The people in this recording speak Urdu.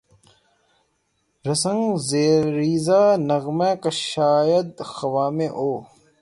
ز سنگ ریزہ نغمہ کشاید خرامِ او